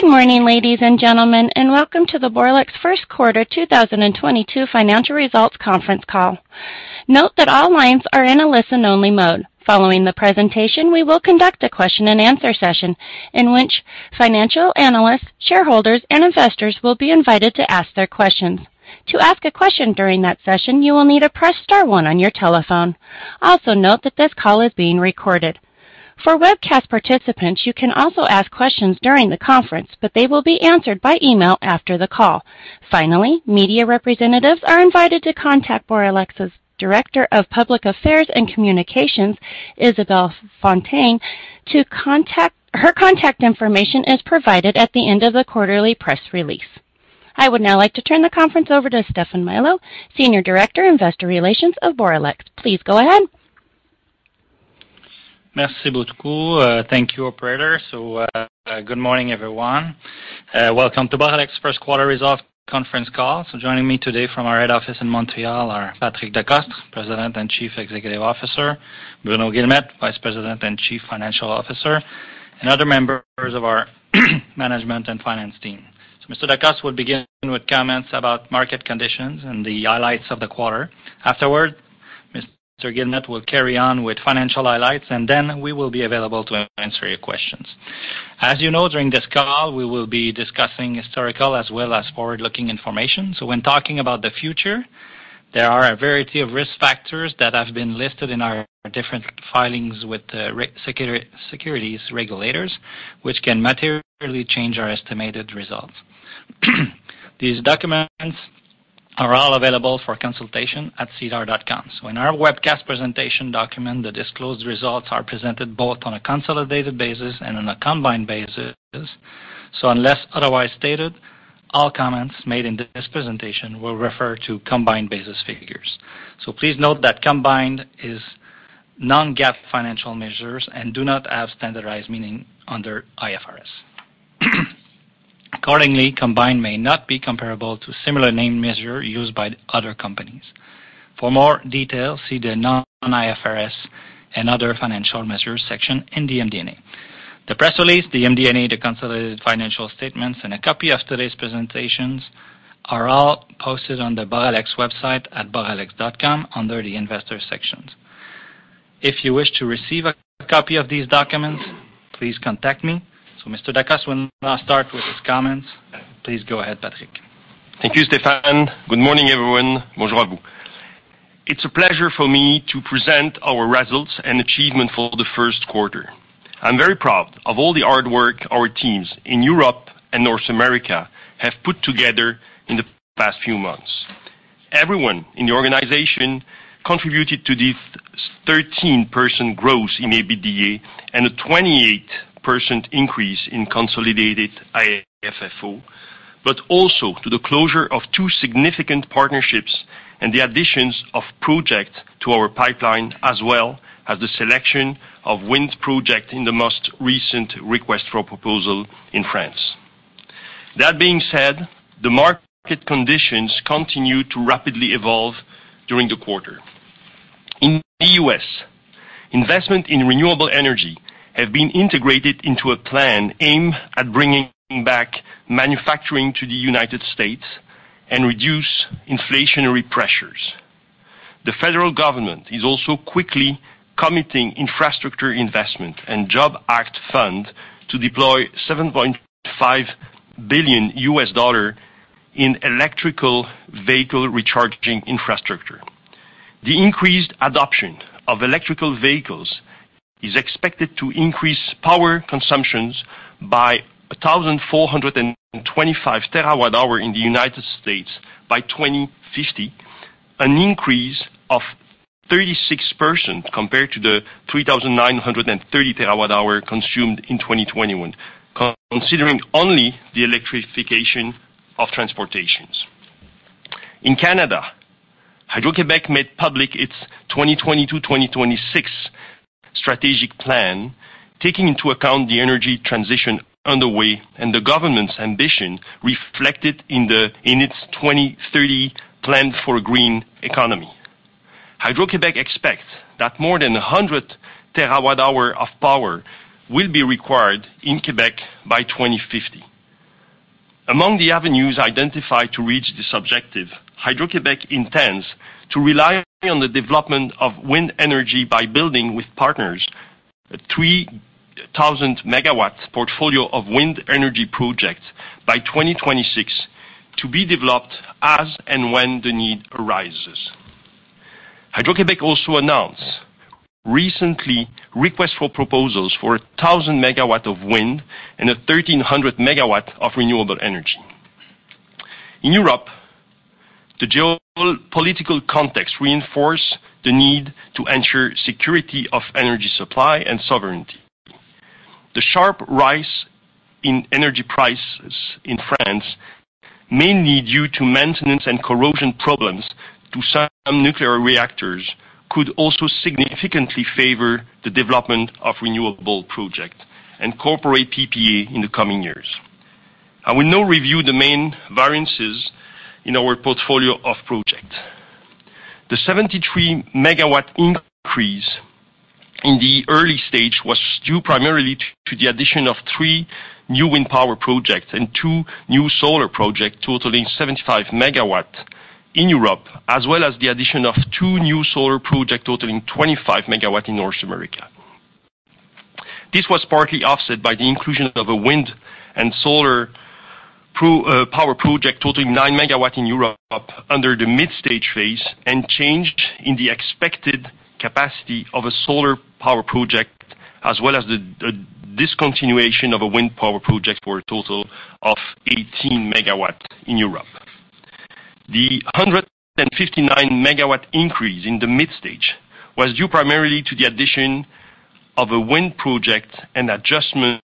Good morning, ladies and gentlemen, and welcome to the Boralex first quarter 2022 financial results conference call. Note that all lines are in a listen-only mode. Following the presentation, we will conduct a question-and-answer session in which financial analysts, shareholders, and investors will be invited to ask their questions. To ask a question during that session, you will need to press star one on your telephone. Also note that this call is being recorded. For webcast participants, you can also ask questions during the conference, but they will be answered by email after the call. Finally, media representatives are invited to contact Boralex's Director of Public Affairs and Communications, Isabelle Fontaine. Her contact information is provided at the end of the quarterly press release. I would now like to turn the conference over to Stéphane Milot, Senior Director, Investor Relations of Boralex. Please go ahead. Merci beaucoup. Thank you, operator. Good morning, everyone. Welcome to Boralex first quarter results conference call. Joining me today from our head office in Montreal are Patrick Decostre, President and Chief Executive Officer, Bruno Guilmette, Vice President and Chief Financial Officer, and other members of our management and finance team. Mr. Decostre will begin with comments about market conditions and the highlights of the quarter. Afterward, Mr. Guilmette will carry on with financial highlights, and then we will be available to answer your questions. As you know, during this call, we will be discussing historical as well as forward-looking information. When talking about the future, there are a variety of risk factors that have been listed in our different filings with the securities regulators, which can materially change our estimated results. These documents are all available for consultation at SEDAR.com. In our webcast presentation document, the disclosed results are presented both on a consolidated basis and on a combined basis. Unless otherwise stated, all comments made in this presentation will refer to combined-basis figures. Please note that combined is non-GAAP financial measures and do not have standardized meaning under IFRS. Accordingly, combined may not be comparable to similar named measure used by other companies. For more details, see the non-IFRS and other financial measures section in the MD&A. The press release, the MD&A, the consolidated financial statements, and a copy of today's presentations are all posted on the Boralex website at boralex.com under the investor sections. If you wish to receive a copy of these documents, please contact me. Mr. Decostre will now start with his comments. Please go ahead, Patrick. Thank you, Stéphane. Good morning, everyone. Bonjour. It's a pleasure for me to present our results and achievements for the first quarter. I'm very proud of all the hard work our teams in Europe and North America have put together in the past few months. Everyone in the organization contributed to this 13% growth in EBITDA and a 28% increase in consolidated AFFO, but also to the closure of two significant partnerships and the additions of projects to our pipeline, as well as the selection of wind projects in the most recent request for proposal in France. That being said, the market conditions continued to rapidly evolve during the quarter. In the U.S., investment in renewable energy have been integrated into a plan aimed at bringing back manufacturing to the United States and reduce inflationary pressures. The federal government is also quickly committing Infrastructure Investment and Jobs Act funds to deploy $7.5 billion in electric vehicle recharging infrastructure. The increased adoption of electric vehicles is expected to increase power consumption by 1,425 terawatt-hours in the United States by 2050, an increase of 36% compared to the 3,930 terawatt-hours consumed in 2021, considering only the electrification of transportation. In Canada, Hydro-Québec made public its 2022-2026 strategic plan, taking into account the energy transition underway and the government's ambition reflected in its 2030 plan for a green economy. Hydro-Québec expects that more than 100 terawatt-hours of power will be required in Quebec by 2050. Among the avenues identified to reach this objective, Hydro-Québec intends to rely on the development of wind energy by building with partners a 3,000 MW portfolio of wind energy projects by 2026 to be developed as and when the need arises. Hydro-Québec also announced recently request for proposals for 1,000 MW of wind and 1,300 MW of renewable energy. In Europe, the geopolitical context reinforce the need to ensure security of energy supply and sovereignty. The sharp rise in energy prices in France, mainly due to maintenance and corrosion problems to some nuclear reactors, could also significantly favor the development of renewable project and corporate PPA in the coming years. I will now review the main variances in our portfolio of projects. The 73 MW increase in the early stage was due primarily to the addition of three new wind power projects and two new solar projects, totaling 75 MW in Europe, as well as the addition of two new solar projects totaling 25 MW in North America. This was partly offset by the inclusion of a wind and solar power project totaling 9 MW in Europe under the midstage phase and change in the expected capacity of a solar power project, as well as the discontinuation of a wind power project for a total of 18 MW in Europe. The 159 MW increase in the mid-stage was due primarily to the addition of a wind project and adjustment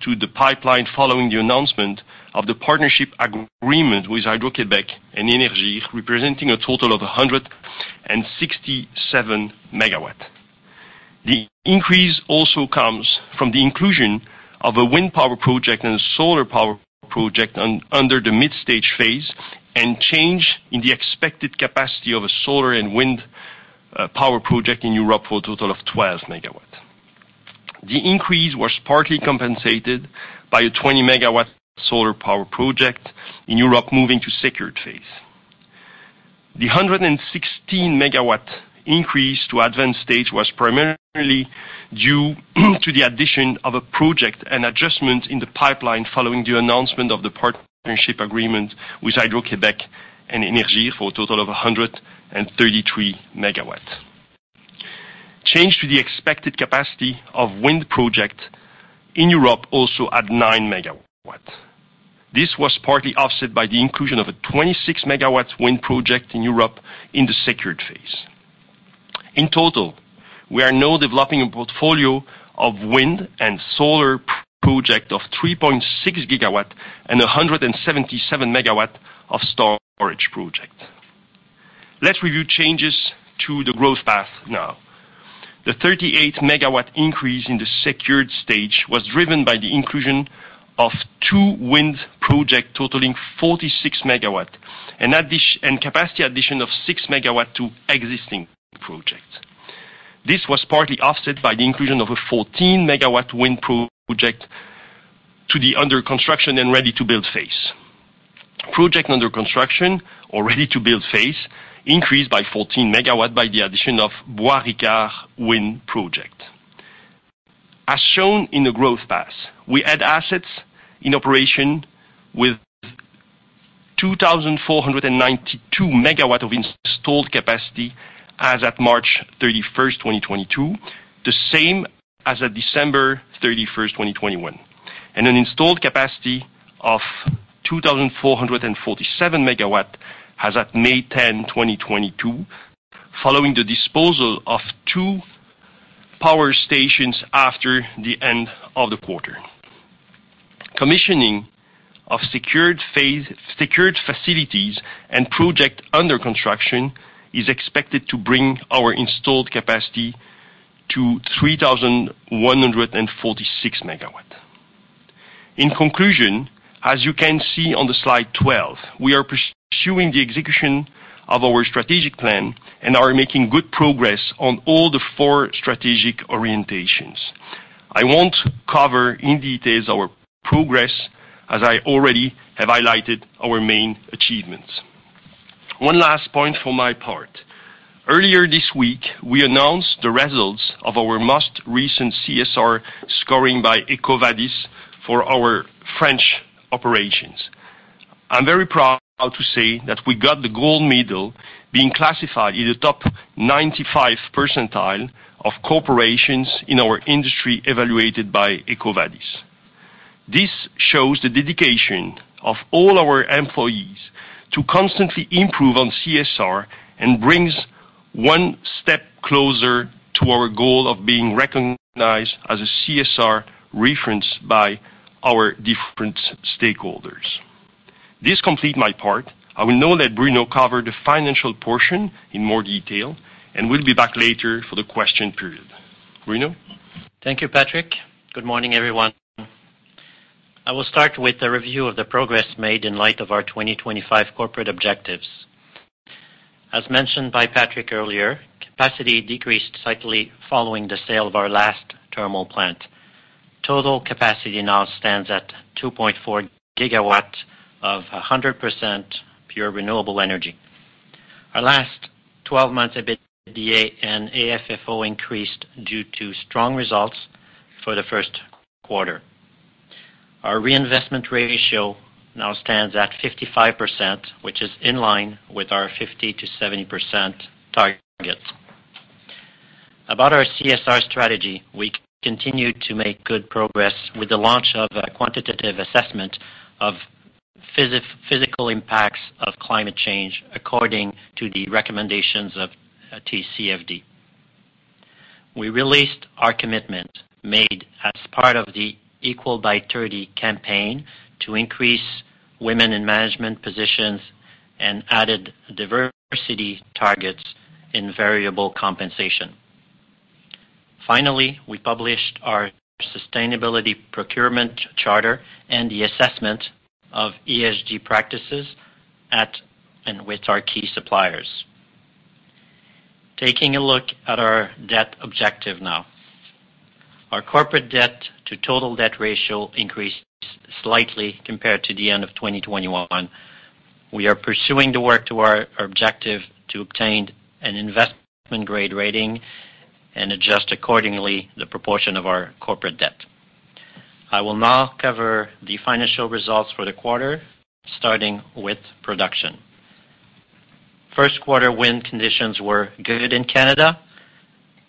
to the pipeline following the announcement of the partnership agreement with Hydro-Québec and Énergir, representing a total of 167 MW. The increase also comes from the inclusion of a wind power project and solar power project under the mid-stage phase and change in the expected capacity of a solar and wind power project in Europe for a total of 12 MW. The increase was partly compensated by a 20 MW solar power project in Europe, moving to secured phase. The 116 MW increase to advanced stage was primarily due to the addition of a project and adjustment in the pipeline following the announcement of the partnership agreement with Hydro-Québec and Énergir for a total of 133 MW. Change in the expected capacity of wind project in Europe also at 9 MW. This was partly offset by the inclusion of a 26 MW wind project in Europe in the secured phase. In total, we are now developing a portfolio of wind and solar project of 3.6 GW and 177 MW of storage project. Let's review changes to the growth path now. The 38 MW increase in the secured stage was driven by the inclusion of two wind project totaling 46 MW, and capacity addition of 6 MW to existing projects. This was partly offset by the inclusion of a 14 MW wind project to the under construction and ready-to-build phase. Project under construction or ready-to-build phase increased by 14 MW by the addition of Bois-Franc wind project. As shown in the growth path, we add assets in operation with 2,492 MW of installed capacity as at March 31, 2022, the same as at December 31, 2021. An installed capacity of 2,447 MW as at May 10, 2022, following the disposal of two power stations after the end of the quarter. Commissioning of secured facilities and projects under construction is expected to bring our installed capacity to 3,146 MW. In conclusion, as you can see on the slide 12, we are pursuing the execution of our strategic plan and are making good progress on all the four strategic orientations. I won't cover in details our progress as I already have highlighted our main achievements. One last point for my part. Earlier this week, we announced the results of our most recent CSR scoring by EcoVadis for our French operations. I'm very proud to say that we got the gold medal, being classified in the top 95 percentile of corporations in our industry evaluated by EcoVadis. This shows the dedication of all our employees to constantly improve on CSR and brings one step closer to our goal of being recognized as a CSR reference by our different stakeholders. This completes my part. I will now let Bruno cover the financial portion in more detail, and will be back later for the question period. Bruno? Thank you, Patrick. Good morning, everyone. I will start with a review of the progress made in light of our 2025 corporate objectives. As mentioned by Patrick earlier, capacity decreased slightly following the sale of our last thermal plant. Total capacity now stands at 2.4 gigawatt of 100% pure renewable energy. Our last 12 months EBITDA and AFFO increased due to strong results for the first quarter. Our reinvestment ratio now stands at 55%, which is in line with our 50%-70% target. About our CSR strategy, we continued to make good progress with the launch of a quantitative assessment of physical impacts of climate change, according to the recommendations of TCFD. We released our commitment made as part of the Equal by 30 campaign to increase women in management positions and added diversity targets in variable compensation. Finally, we published our sustainability procurement charter and the assessment of ESG practices at and with our key suppliers. Taking a look at our debt objective now. Our corporate debt to total debt ratio increased slightly compared to the end of 2021. We are pursuing the work to our objective to obtain an investment-grade rating and adjust accordingly the proportion of our corporate debt. I will now cover the financial results for the quarter, starting with production. First quarter wind conditions were good in Canada,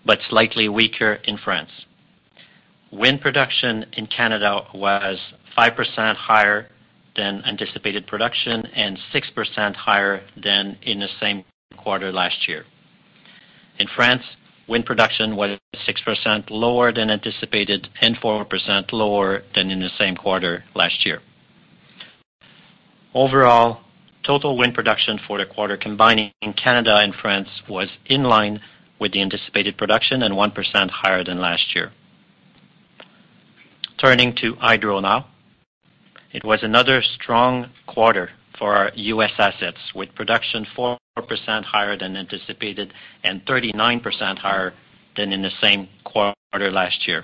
but slightly weaker in France. Wind production in Canada was 5% higher than anticipated production and 6% higher than in the same quarter last year. In France, wind production was 6% lower than anticipated and 4% lower than in the same quarter last year. Overall, total wind production for the quarter, combining Canada and France, was in line with the anticipated production and 1% higher than last year. Turning to hydro now. It was another strong quarter for our U.S. assets, with production 4% higher than anticipated and 39% higher than in the same quarter last year.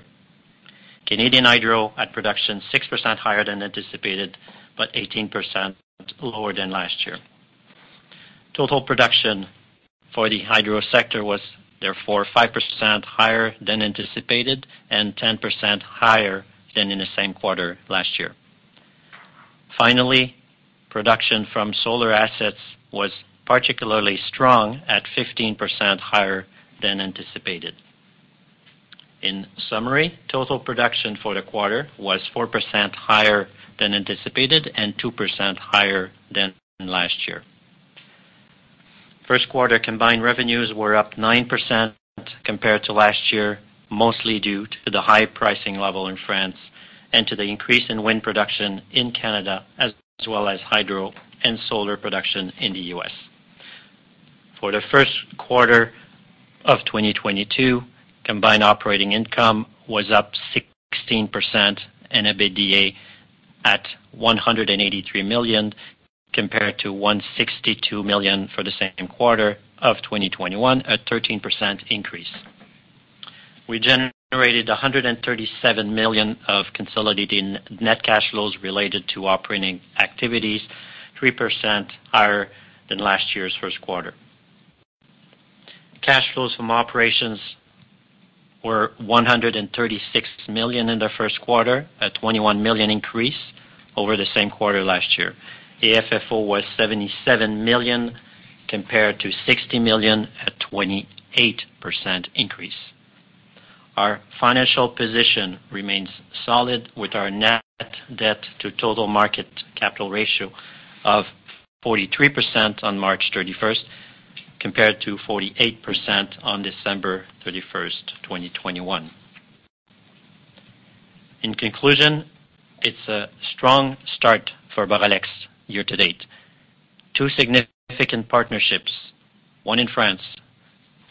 Canadian hydro had production 6% higher than anticipated, but 18% lower than last year. Total production for the hydro sector was therefore 5% higher than anticipated and 10% higher than in the same quarter last year. Finally, production from solar assets was particularly strong at 15% higher than anticipated. In summary, total production for the quarter was 4% higher than anticipated and 2% higher than last year. First quarter combined revenues were up 9% compared to last year, mostly due to the high pricing level in France and to the increase in wind production in Canada, as well as hydro and solar production in the US. For the first quarter of 2022, combined operating income was up 16% and EBITDA at 183 million, compared to 162 million for the same quarter of 2021, a 13% increase. We generated 137 million of consolidated net cash flows related to operating activities, 3% higher than last year's first quarter. Cash flows from operations were 136 million in the first quarter, a 21 million increase over the same quarter last year. AFFO was 77 million compared to 60 million, a 28% increase. Our financial position remains solid, with our net debt to total market capital ratio of 43% on March 31st, compared to 48% on December 31st, 2021. In conclusion, it's a strong start for Boralex year to date. Two significant partnerships, one in France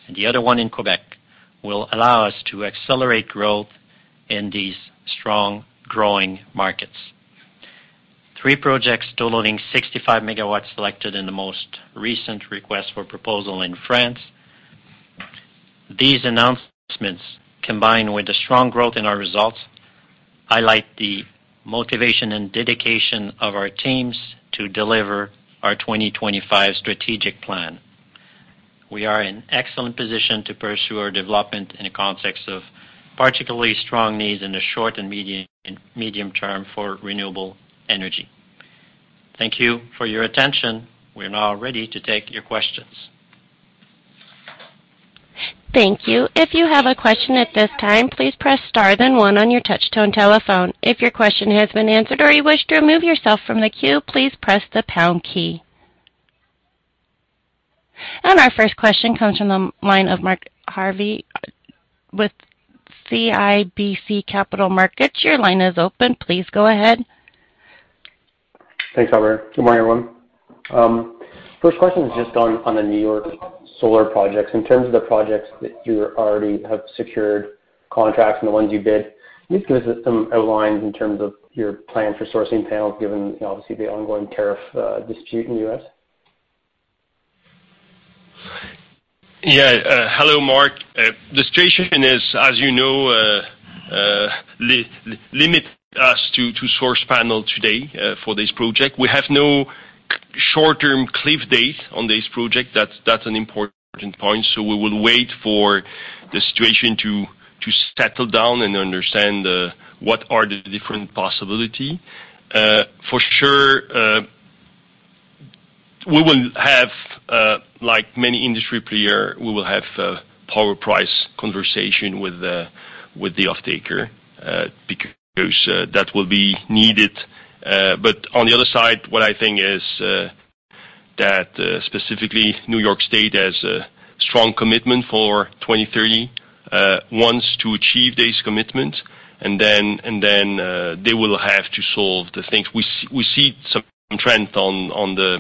and the other one in Quebec, will allow us to accelerate growth in these strong, growing markets. Three projects totaling 65 MW selected in the most recent request for proposal in France. These announcements, combined with the strong growth in our results, highlight the motivation and dedication of our teams to deliver our 2025 strategic plan. We are in excellent position to pursue our development in the context of particularly strong needs in the short and medium term for renewable energy. Thank you for your attention. We are now ready to take your questions. Thank you. If you have a question at this time, please press star then one on your touchtone telephone. If your question has been answered or you wish to remove yourself from the queue, please press the pound key. Our first question comes from the line of Mark Jarvi with CIBC Capital Markets. Your line is open. Please go ahead. Thanks, operator. Good morning, everyone. First question is just on the New York solar projects. In terms of the projects that you already have secured contracts and the ones you bid, can you just give us some outlines in terms of your plan for sourcing panels, given obviously the ongoing tariff dispute in the US? Yeah. Hello, Mark. The situation is, as you know, limit us to source solar panel today, for this project. We have no short-term cliff date on this project. That's an important point. We will wait for the situation to settle down and understand what are the different possibility. For sure, we will have, like many industry player, we will have a power price conversation with the offtaker, because that will be needed. But on the other side, what I think is that specifically New York State has a strong commitment for 2030, wants to achieve this commitment, and then they will have to solve the things. We see some trend on the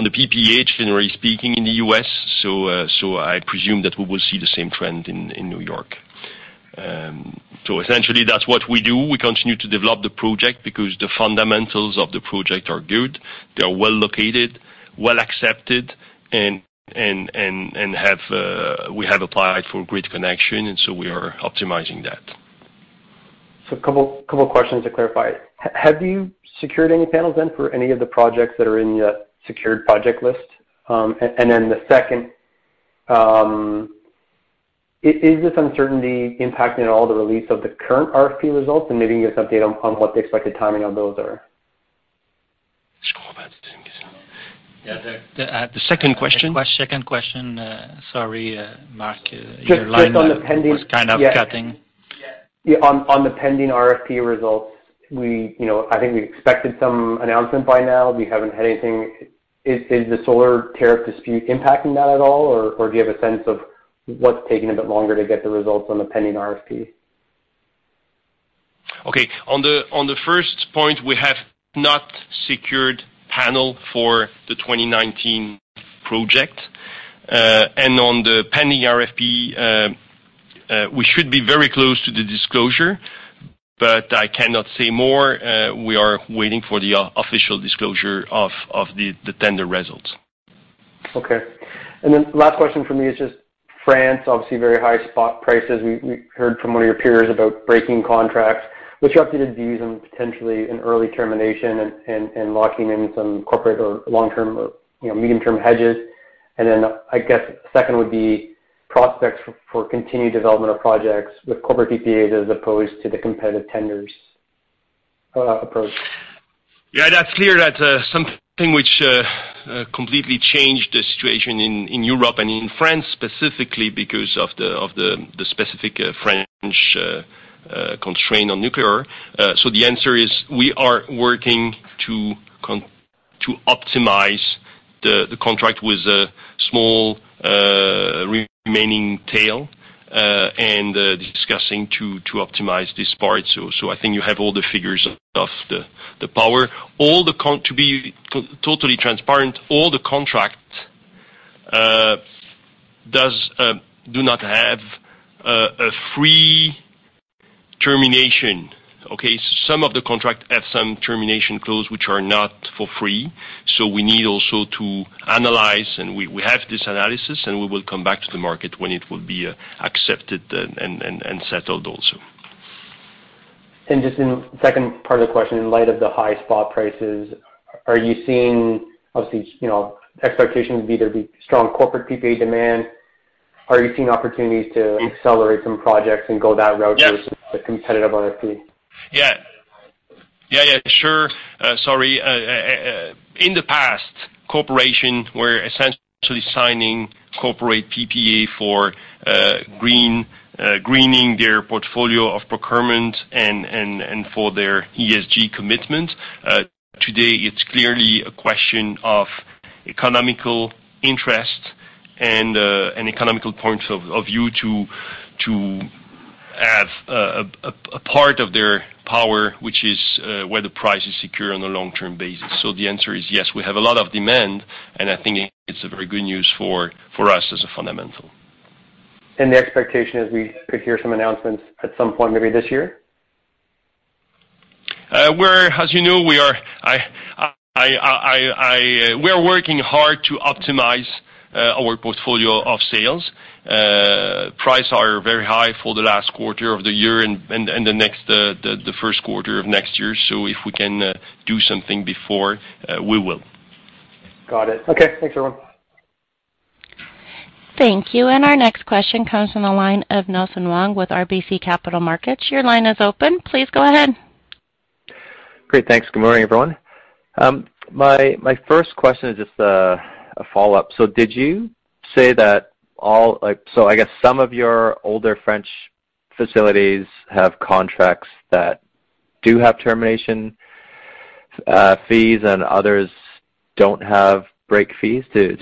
On the PPA, generally speaking, in the U.S., I presume that we will see the same trend in New York. Essentially that's what we do. We continue to develop the project because the fundamentals of the project are good, they are well located, well accepted, and we have applied for grid connection, and we are optimizing that. A couple questions to clarify. Have you secured any panels then for any of the projects that are in the secured project list? Then the second, is this uncertainty impacting at all the release of the current RFP results? Maybe you can just update on what the expected timing on those are. Yeah. The second question. The second question, sorry, Mark, your line was- Just on the pending Was kind of cutting. Yeah. On the pending RFP results, you know, I think we expected some announcement by now. We haven't had anything. Is the solar tariff dispute impacting that at all? Or do you have a sense of what's taking a bit longer to get the results on the pending RFP? Okay. On the first point, we have not secured panels for the 2019 project. On the pending RFP, we should be very close to the disclosure, but I cannot say more. We are waiting for the official disclosure of the tender results. Okay. Last question from me is just France, obviously very high spot prices. We heard from one of your peers about breaking contracts. What's your updated views on potentially an early termination and locking in some corporate or long-term or, you know, medium-term hedges? I guess second would be prospects for continued development of projects with corporate PPAs as opposed to the competitive tenders approach. Yeah, that's clear. That's something which completely changed the situation in Europe and in France specifically because of the specific French constraint on nuclear. The answer is we are working to optimize the contract with a small remaining tail, and discussing to optimize this part. I think you have all the figures of the power. To be totally transparent, all the contracts do not have a free termination, okay? Some of the contracts have some termination clauses which are not for free, so we need also to analyze, and we have this analysis, and we will come back to the market when it will be accepted and settled also. Just in the second part of the question, in light of the high spot prices, are you seeing? Obviously, you know, expectations would either be strong corporate PPA demand. Are you seeing opportunities to accelerate some projects and go that route versus- Yes. The competitive RFP? Yeah. Yeah, yeah, sure. Sorry, in the past, corporations were essentially signing corporate PPAs for greening their portfolio of procurement and for their ESG commitment. Today it's clearly a question of economic interest and an economic point of view to have a part of their power which is where the price is secure on a long-term basis. The answer is yes, we have a lot of demand, and I think it's a very good news for us as a fundamental. The expectation is we could hear some announcements at some point maybe this year? As you know, we are working hard to optimize our portfolio of sales. Prices are very high for the last quarter of the year and the next, the first quarter of next year. If we can do something before, we will. Got it. Okay. Thanks, everyone. Thank you. Our next question comes from the line of Nelson Ng with RBC Capital Markets. Your line is open. Please go ahead. Great. Thanks. Good morning, everyone. My first question is just a follow-up. Did you say, like, I guess some of your older French facilities have contracts that do have termination fees and others don't have break fees to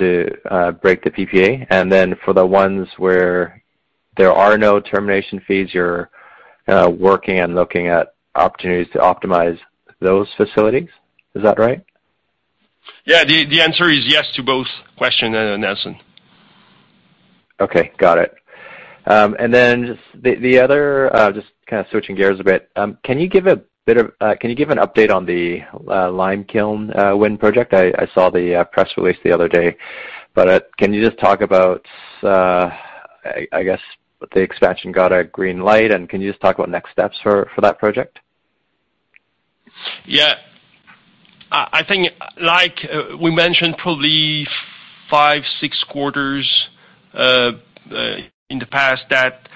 break the PPA? For the ones where there are no termination fees, you're working and looking at opportunities to optimize those facilities. Is that right? Yeah. The answer is yes to both questions, Nelson. Okay. Got it. Just the other just kinda switching gears a bit, can you give an update on the Limekiln wind project? I saw the press release the other day, but can you just talk about, I guess, the expansion got a green light, and can you just talk about next steps for that project? Yeah. I think like we mentioned probably five, six quarters in the past that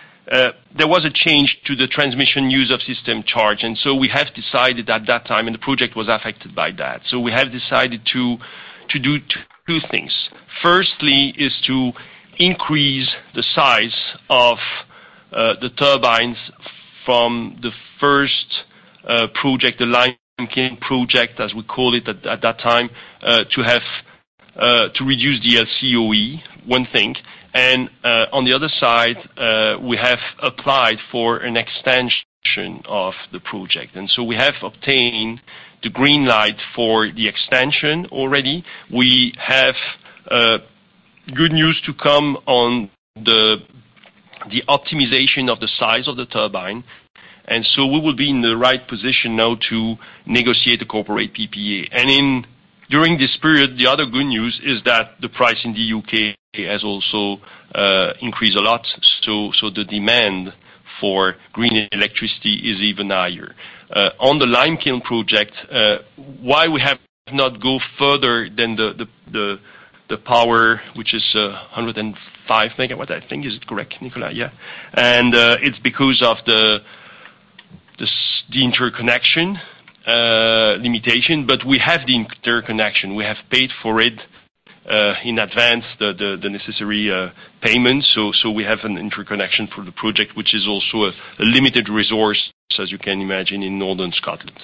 there was a change to the transmission use of system charge, and so we have decided at that time, and the project was affected by that. We have decided to do two things. Firstly is to increase the size of the turbines from the first project, the Limekiln project, as we call it at that time, to reduce the LCOE, one thing. On the other side, we have applied for an extension of the project, and so we have obtained the green light for the extension already. We have good news to come on the optimization of the size of the turbine. We will be in the right position now to negotiate the corporate PPA. During this period, the other good news is that the price in the UK has also increased a lot, so the demand for green electricity is even higher. On the Limekiln project, why we have not go further than the power which is 105 MW, I think. Is it correct, Nicolas? Yeah. It's because of the interconnection limitation. We have the interconnection, we have paid for it in advance the necessary payments. We have an interconnection for the project, which is also a limited resource, as you can imagine, in Northern Scotland.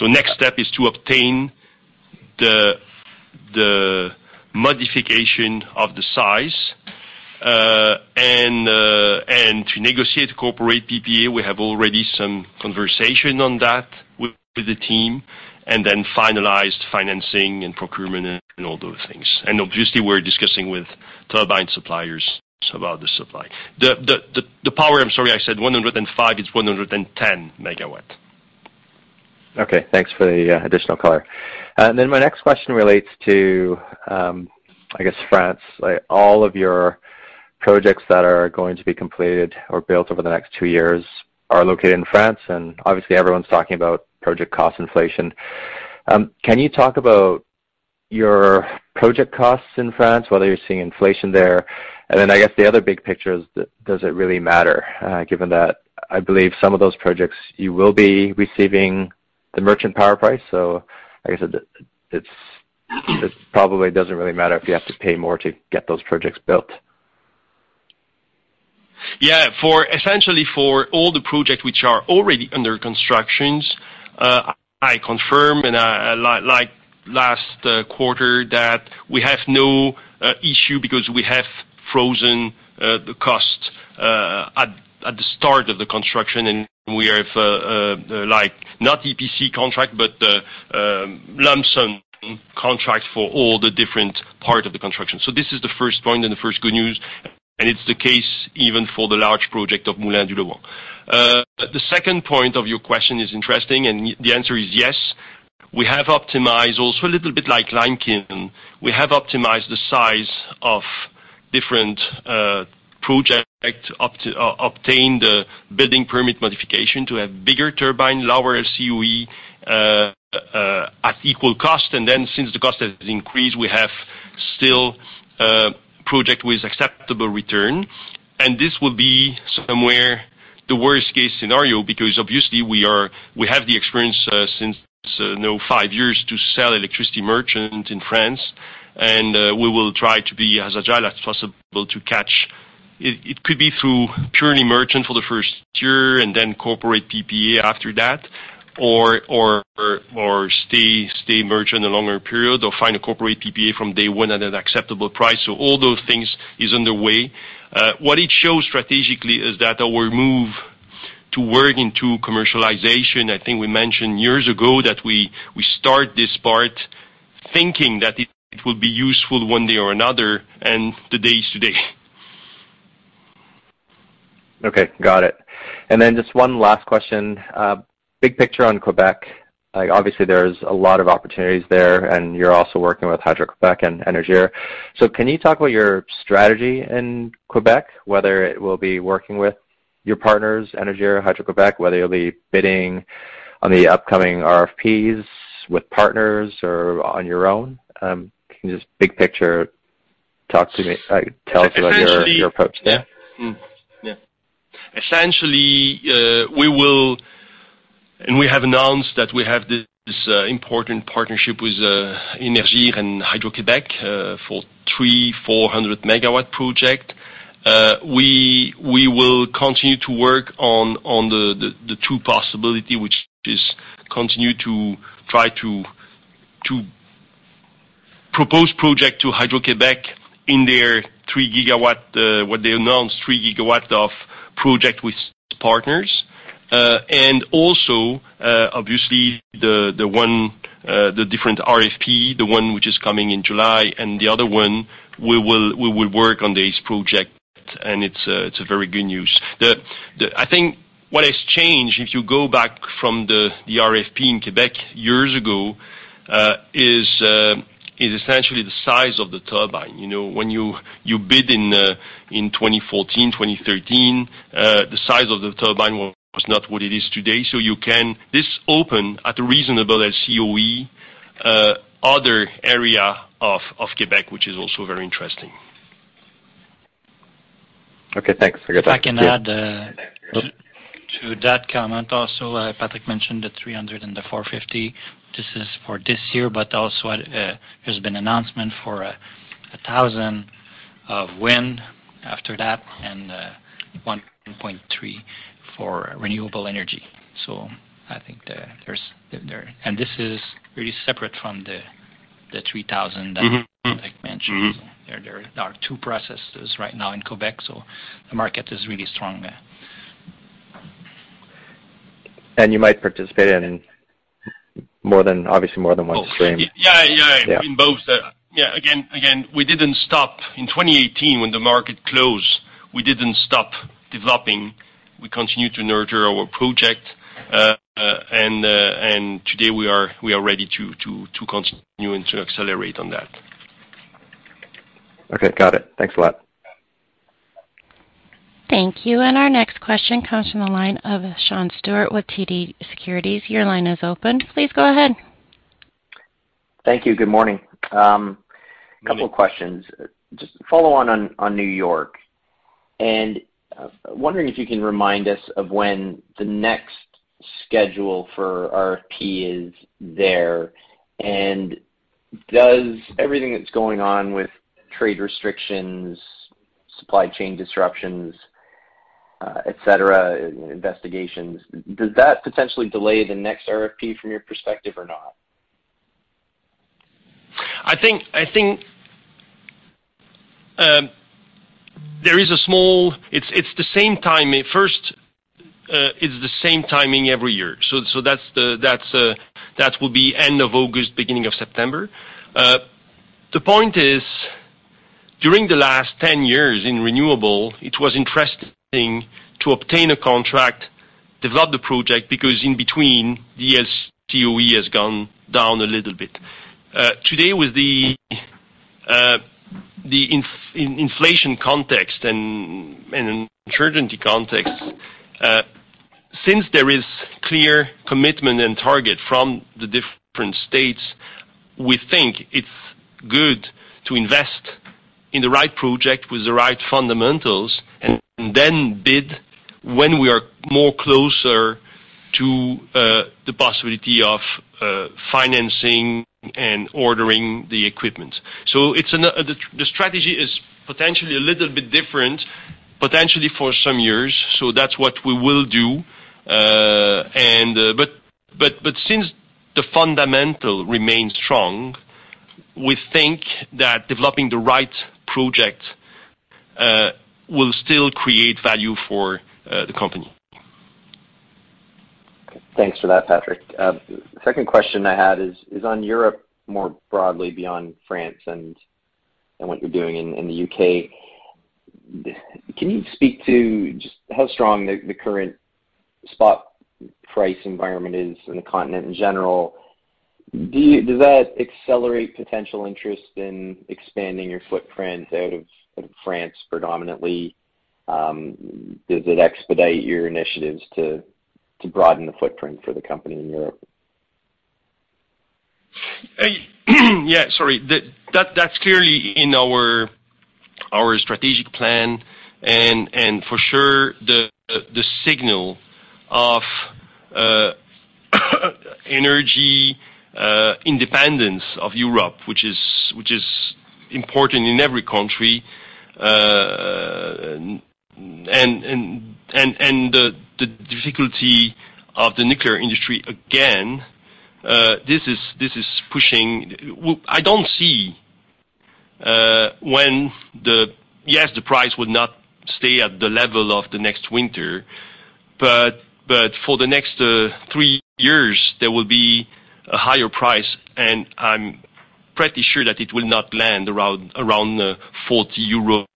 Next step is to obtain the modification of the size and to negotiate corporate PPA. We have already some conversation on that with the team and then finalized financing and procurement and all those things. Obviously we're discussing with turbine suppliers about the supply. I'm sorry, I said 105, it's 110 MW. Okay, thanks for the additional color. My next question relates to, I guess France. Like, all of your projects that are going to be completed or built over the next two years are located in France, and obviously everyone's talking about project cost inflation. Can you talk about your project costs in France, whether you're seeing inflation there? I guess the other big picture is does it really matter, given that I believe some of those projects you will be receiving the merchant power price. Like I said, it probably doesn't really matter if you have to pay more to get those projects built. Yeah. For essentially for all the projects which are already under construction, I confirm, and I, like last quarter, that we have no issue because we have frozen the cost at the start of the construction, and we have, like, not EPC contract, but lump sum contract for all the different part of the construction. This is the first point and the first good news, and it's the case even for the large project of Moulin du Lohan. The second point of your question is interesting, and the answer is yes. We have optimized also a little bit like Limekiln. We have optimized the size of different project. Obtained the building permit modification to have bigger turbine, lower LCOE at equal cost. Since the cost has increased, we have still project with acceptable return. This will be somewhere the worst case scenario, because obviously we have the experience, since, you know, five years to sell electricity merchant in France. We will try to be as agile as possible to catch. It could be through purely merchant for the first year and then corporate PPA after that, or stay merchant a longer period or find a corporate PPA from day one at an acceptable price. All those things is underway. What it shows strategically is that our move to work into commercialization, I think we mentioned years ago that we start this part thinking that it will be useful one day or another, and the day is today. Okay, got it. Just one last question. Big picture on Quebec. Like, obviously there's a lot of opportunities there, and you're also working with Hydro-Québec and Énergir. Can you talk about your strategy in Quebec, whether it will be working with your partners, Énergir or Hydro-Québec, whether you'll be bidding on the upcoming RFPs with partners or on your own? Can you just big picture talk to me? Like, tell us about your approach there. Essentially, we have announced that we have this important partnership with Énergir and Hydro-Québec for 340-megawatt project. We will continue to work on the two possibilities, which is continue to try to propose projects to Hydro-Québec in their 3 gigawatt, what they announced, 3 gigawatt of projects with partners. Also, obviously the different RFP, the one which is coming in July and the other one, we will work on this project, and it's a very good news. I think what has changed, if you go back from the RFP in Quebec years ago, is essentially the size of the turbine. You know, when you bid in 2013, the size of the turbine was not what it is today. You can open at a reasonable LCOE in other areas of Quebec, which is also very interesting. Okay, thanks. I got that. If I can add to that comment also. Patrick mentioned the 300 and the 450. This is for this year, but also there's been announcement for 1,000 of wind After that, 1.3 for renewable energy. I think there is. This is really separate from the 3,000. Mm-hmm. that I mentioned. Mm-hmm. There are two processes right now in Quebec, so the market is really strong there. You might participate in more than, obviously, more than one stream. Yeah, yeah. Yeah. In both. Yeah. Again, we didn't stop in 2018 when the market closed, we didn't stop developing. We continued to nurture our project. Today we are ready to continue and to accelerate on that. Okay. Got it. Thanks a lot. Thank you. Our next question comes from the line of Sean Steuart with TD Securities. Your line is open. Please go ahead. Thank you. Good morning. Good morning. A couple questions. Just follow on New York. Wondering if you can remind us of when the next schedule for RFP is there. Does everything that's going on with trade restrictions, supply chain disruptions, et cetera, investigations, does that potentially delay the next RFP from your perspective or not? I think it's the same timing. First, it's the same timing every year. So that's that will be end of August, beginning of September. The point is, during the last 10 years in renewable, it was interesting to obtain a contract, develop the project, because in between, the LCOE has gone down a little bit. Today with the inflation context and uncertainty context, since there is clear commitment and target from the different states, we think it's good to invest in the right project with the right fundamentals and then bid when we are more closer to the possibility of financing and ordering the equipment. The strategy is potentially a little bit different, potentially for some years. So that's what we will do. Since the fundamentals remain strong, we think that developing the right project will still create value for the company. Thanks for that, Patrick. Second question I had is on Europe, more broadly beyond France and what you're doing in the UK. Can you speak to just how strong the current spot price environment is in the continent in general? Does that accelerate potential interest in expanding your footprint out of France predominantly? Does it expedite your initiatives to broaden the footprint for the company in Europe? Yeah. Sorry. That, that's clearly in our strategic plan and for sure, the signal of energy independence of Europe, which is important in every country. And the difficulty of the nuclear industry again, this is pushing. I don't see when the. Yes, the price would not stay at the level of the next winter, but for the next 3 years, there will be a higher price, and I'm pretty sure that it will not land around 40 euro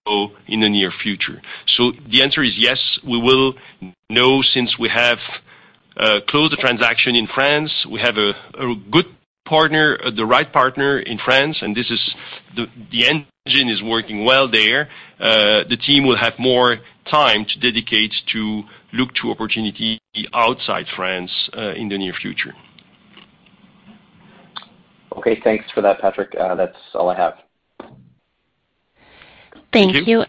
in the near future. The answer is yes. We will know since we have closed the transaction in France. We have a good partner, the right partner in France, and the engine is working well there. The team will have more time to dedicate to look to opportunity outside France in the near future. Okay. Thanks for that, Patrick. That's all I have. Thank you. Thank you.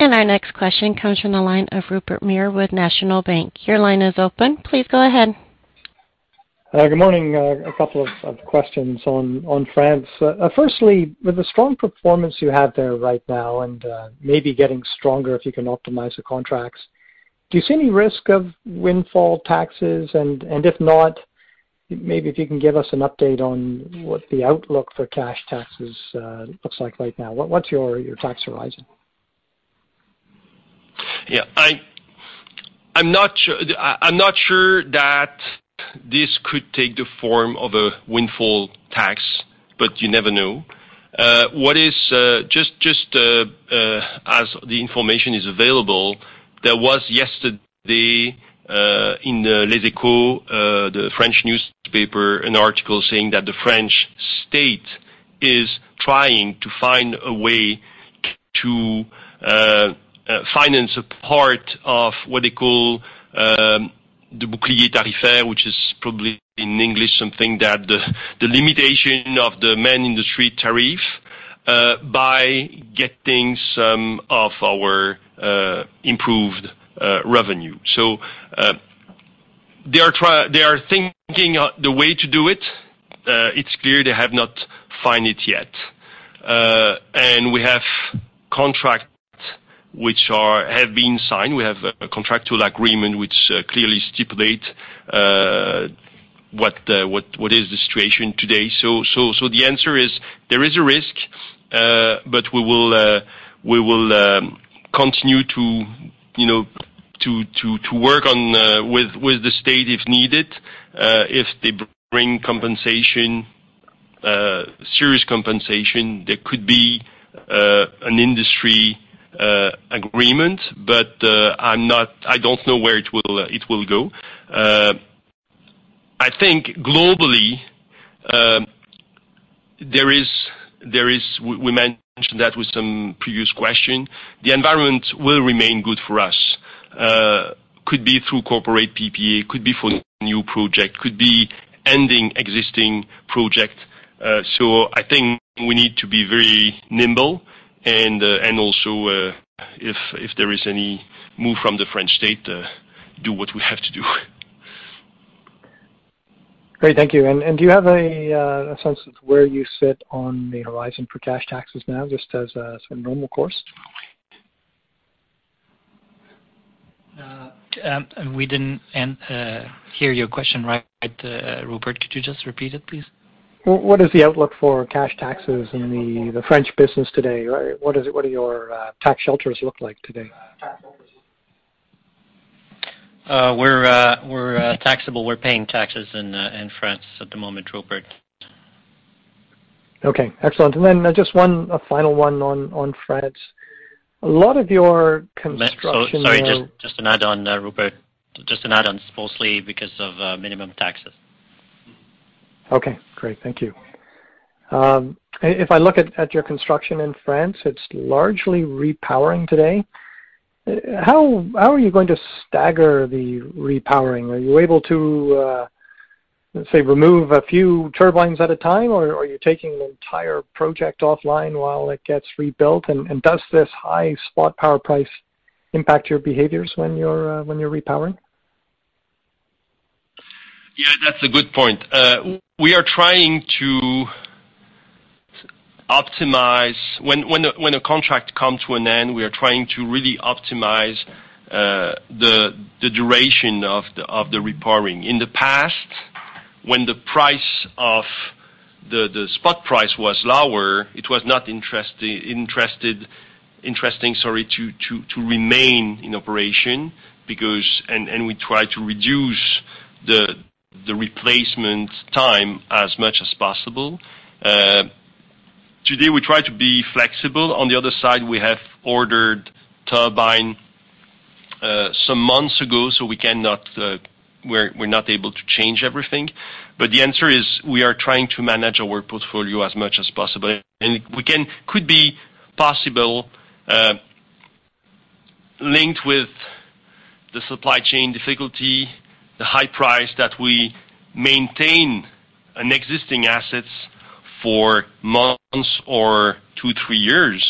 Our next question comes from the line of Rupert Merer with National Bank. Your line is open. Please go ahead. Good morning. A couple of questions on France. Firstly, with the strong performance you have there right now and maybe getting stronger if you can optimize the contracts, do you see any risk of windfall taxes? If not, maybe if you can give us an update on what the outlook for cash taxes looks like right now. What's your tax horizon? Yeah, I'm not sure that this could take the form of a windfall tax, but you never know. As the information is available, there was yesterday in Les Échos, the French newspaper, an article saying that the French state is trying to find a way to finance a part of what they call the bouclier tarifaire, which is probably in English something like the limitation of the main industry tariff by getting some of our improved revenue. They are thinking of the way to do it. It's clear they have not found it yet. We have contracts which have been signed. We have a contractual agreement which clearly stipulates what is the situation today. The answer is there is a risk, but we will continue to, you know, work on with the state if needed. If they bring compensation, serious compensation, there could be an industry agreement. I don't know where it will go. I think globally, there is. We mentioned that with some previous question. The environment will remain good for us. It could be through corporate PPA, could be for new project, could be extending existing project. I think we need to be very nimble and also, if there is any move from the French state, do what we have to do. Great, thank you. Do you have a sense of where you sit on the horizon for cash taxes now just as sort of normal course? We didn't hear your question right, Rupert. Could you just repeat it, please? What is the outlook for cash taxes in the French business today? What are your tax shelters look like today? We're taxable. We're paying taxes in France at the moment, Rupert. Okay, excellent. Just one final one on France. A lot of your construction- Sorry, just an add on, Rupert. It's mostly because of minimum taxes. Okay, great. Thank you. If I look at your construction in France, it's largely repowering today. How are you going to stagger the repowering? Are you able to, let's say, remove a few turbines at a time, or are you taking the entire project offline while it gets rebuilt? Does this high spot power price impact your behaviors when you're repowering? Yeah, that's a good point. We are trying to optimize. When a contract comes to an end, we are trying to really optimize the duration of the repowering. In the past, when the price of the spot price was lower, it was not interesting, sorry, to remain in operation because we try to reduce the replacement time as much as possible. Today, we try to be flexible. On the other side, we have ordered turbine some months ago, so we cannot, we're not able to change everything. The answer is, we are trying to manage our work portfolio as much as possible. We could be possible linked with the supply chain difficulty, the high price that we maintain an existing assets for months or two, three years.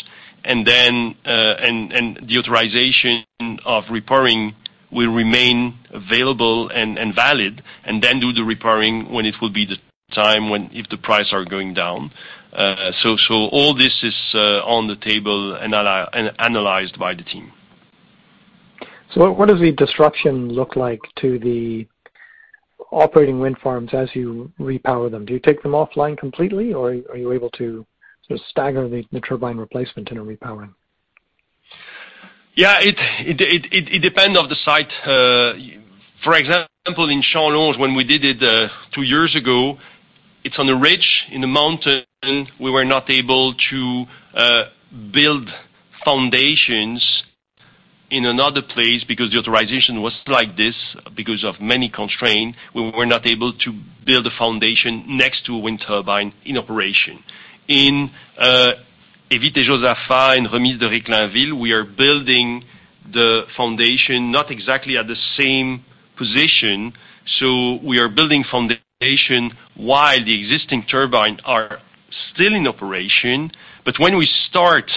Then the authorization of repowering will remain available and valid, and then do the repowering when it will be the time when if the price are going down. All this is on the table and analyzed by the team. What does the disruption look like to the operating wind farms as you repower them? Do you take them offline completely, or are you able to sort of stagger the turbine replacement in a repowering? It depends on the site. For example, in Chailloué, when we did it two years ago, it's on a ridge in a mountain. We were not able to build foundations in another place because the authorization was like this. Because of many constraints, we were not able to build a foundation next to a wind turbine in operation. In Evits et Josaphat and Remise de Réclainville, we are building the foundation not exactly at the same position. We are building foundation while the existing turbine are still in operation. But when we start,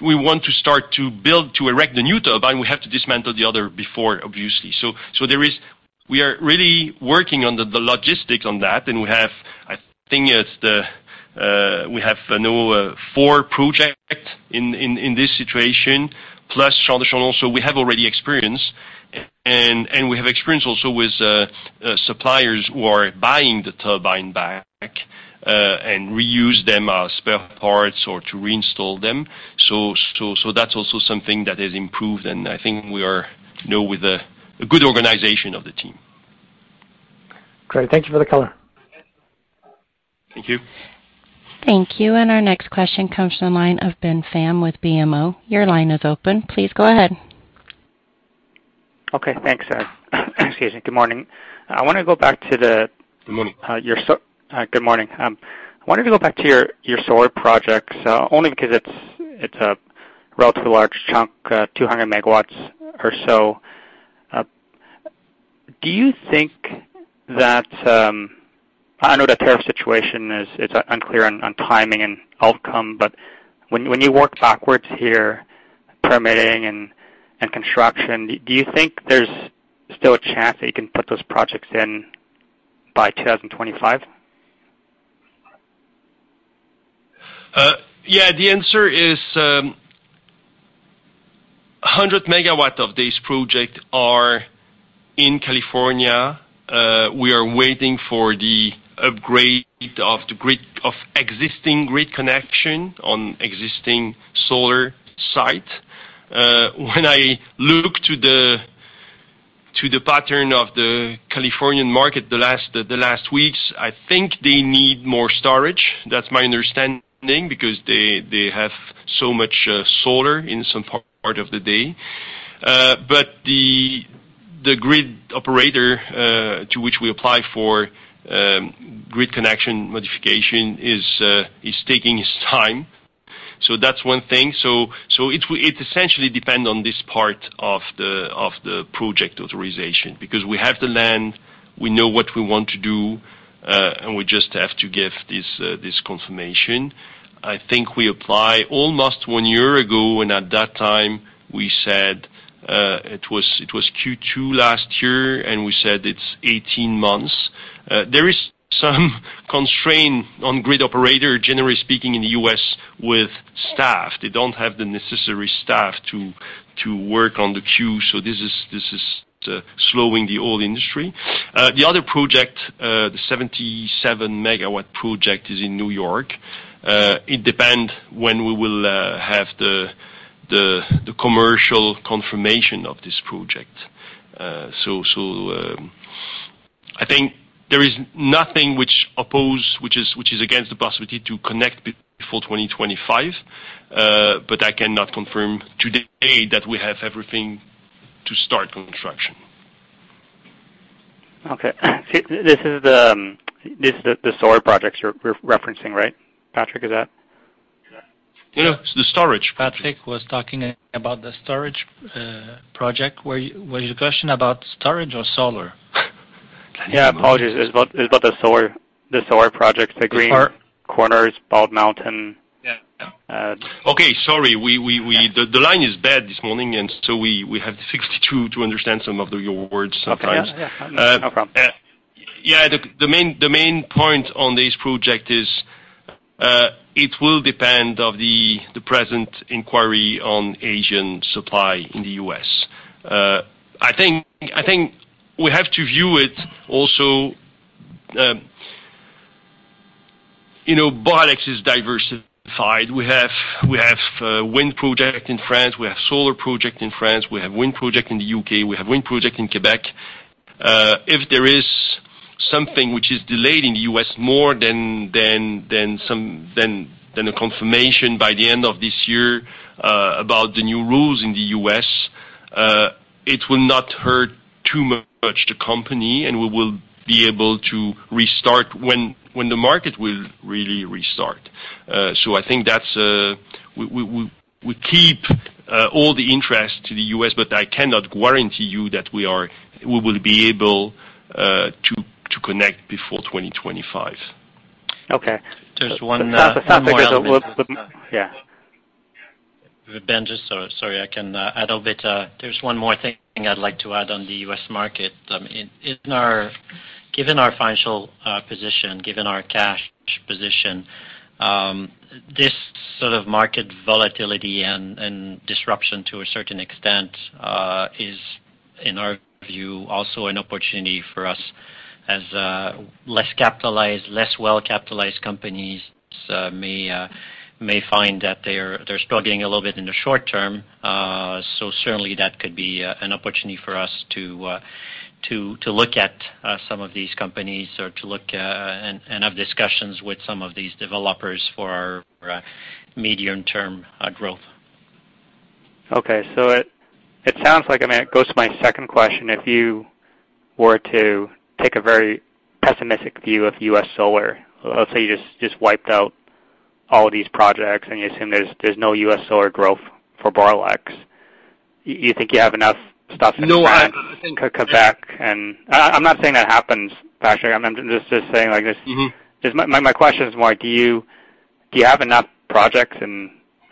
we want to start to build, to erect the new turbine, we have to dismantle the other before, obviously. We are really working on the logistics on that, and I think we have now four projects in this situation, plus Chailloué, so we have already experience. We have experience also with suppliers who are buying the turbine back, and reuse them as spare parts or to reinstall them. That's also something that has improved, and I think we are now with a good organization of the team. Great. Thank you for the color. Thank you. Thank you. Our next question comes from the line of Ben Pham with BMO. Your line is open. Please go ahead. Okay. Thanks. Excuse me. Good morning. I wanna go back to the. Good morning. Good morning. I wanted to go back to your solar projects, only because it's a relatively large chunk, 200 megawatts or so. Do you think that, I know that tariff situation is unclear on timing and outcome, but when you work backwards here, permitting and construction, do you think there's still a chance that you can put those projects in by 2025? Yeah. The answer is, 100 MW of this project are in California. We are waiting for the upgrade of existing grid connection on existing solar site. When I look to the pattern of the Californian market the last weeks, I think they need more storage. That's my understanding, because they have so much solar in some part of the day. But the grid operator to which we apply for grid connection modification is taking his time, so that's one thing. It essentially depend on this part of the project authorization, because we have the land, we know what we want to do, and we just have to get this confirmation. I think we applied almost one year ago, and at that time we said it was Q2 last year, and we said it's 18 months. There is some constraint on grid operator, generally speaking in the U.S. with staff. They don't have the necessary staff to work on the queue, so this is slowing the whole industry. The other project, the 77-megawatt project is in New York. It depends when we will have the commercial confirmation of this project. I think there is nothing which is against the possibility to connect before 2025, but I cannot confirm today that we have everything to start construction. Okay. This is the solar projects you're referencing, right? Patrick, is that? No, the storage. Patrick was talking about the storage project. Was your question about storage or solar? Yeah, apologies. It was about the solar projects, the Greens Corners, Bald Mountain. Yeah. Uh- Okay. Sorry. The line is bad this morning, and so we have to fix it to understand some of your words sometimes. Okay. Yeah, yeah. No problem. Yeah. The main point on this project is, it will depend on the present inquiry on Asian supply in the U.S. I think we have to view it also, you know, Boralex is diversified. We have wind project in France. We have solar project in France. We have wind project in the U.K. We have wind project in Quebec. If there is something which is delayed in the U.S. more than a confirmation by the end of this year about the new rules in the U.S., it will not hurt too much the company, and we will be able to restart when the market will really restart. I think that's. We keep all the interest to the US, but I cannot guarantee you that we will be able to connect before 2025. Okay. There's one. That's not my dominant- Yeah. Ben, sorry, I can add a little bit. There's one more thing I'd like to add on the U.S. market. Given our financial position, given our cash position, this sort of market volatility and disruption to a certain extent is in our view also an opportunity for us as less capitalized, less well-capitalized companies may find that they're struggling a little bit in the short term. Certainly that could be an opportunity for us to look at some of these companies or to look and have discussions with some of these developers for our medium-term growth. Okay. It sounds like, I mean, it goes to my second question. If you were to take a very pessimistic view of U.S. solar, let's say you just wiped out all these projects and you assume there's no U.S. solar growth for Boralex, you think you have enough stuff in France? No, I think. I'm not saying that happens, Patrick. I'm just saying, like just- Mm-hmm. Just my question is more do you have enough projects in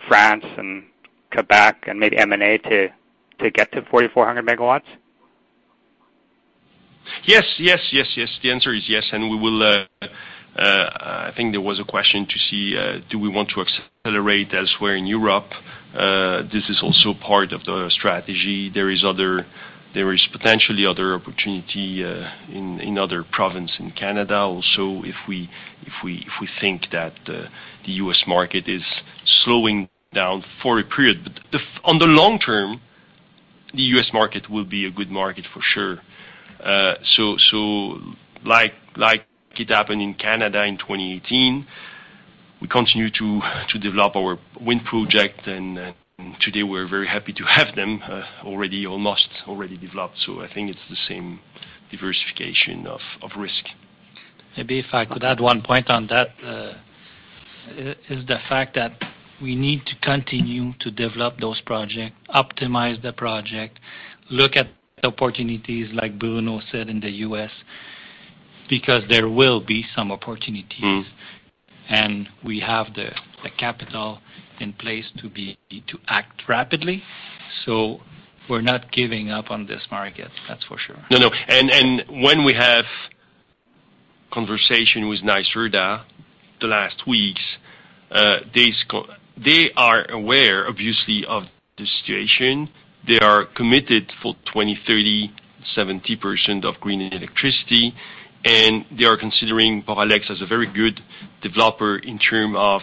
France and Quebec and maybe M&A to get to 4,400 MW? Yes. The answer is yes, and we will. I think there was a question to see do we want to accelerate elsewhere in Europe. This is also part of the strategy. There is potentially other opportunity in other province in Canada also if we think that the U.S. market is slowing down for a period. On the long term, the U.S. market will be a good market for sure. So like it happened in Canada in 2018, we continue to develop our wind project, and today we're very happy to have them already or almost already developed. I think it's the same diversification of risk. Maybe if I could add one point on that, is the fact that we need to continue to develop those projects, optimize the project, look at the opportunities, like Bruno said, in the US, because there will be some opportunities. Mm. We have the capital in place to act rapidly. We're not giving up on this market, that's for sure. No, no. When we have conversation with NYSERDA the last weeks, they are aware, obviously, of the situation. They are committed for 2030, 70% of green electricity, and they are considering Boralex as a very good developer in terms of